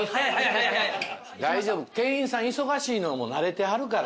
大丈夫店員さん忙しいのも慣れてはるから。